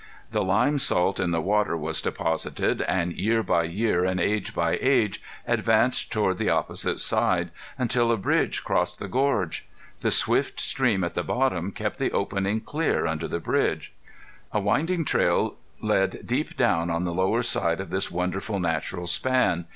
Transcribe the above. The lime salt in the water was deposited, and year by year and age by age advanced toward the opposite side until a bridge crossed the gorge. The swift stream at the bottom kept the opening clear under the bridge. A winding trail led deep down on the lower side of this wonderful natural span.